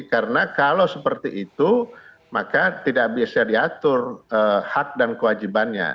karena kalau seperti itu maka tidak bisa diatur hak dan kewajibannya